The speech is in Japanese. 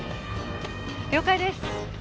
了解です！